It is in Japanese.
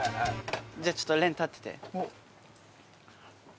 じゃあちょっと廉立ってて。